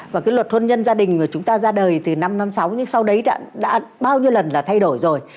và cái luật hôn nhân gia đình của chúng ta ra đời từ năm năm sáu nhưng sau đấy đã bao nhiêu lần là thay đổi rồi